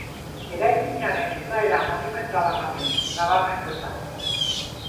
Eraikinaren izaera monumentalagatik nabarmentzen da.